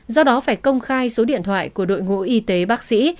do đó phải công khai số điện thoại của đội ngũ y tế bác sĩ